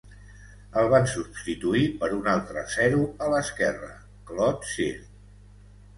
El van substituir per un altre zero a l'esquerra, Claude Cyr.